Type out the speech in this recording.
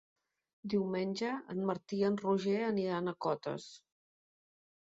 Diumenge en Martí i en Roger aniran a Cotes.